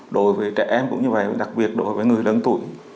đối với trẻ em cũng như vậy đặc biệt đối với người lớn tuổi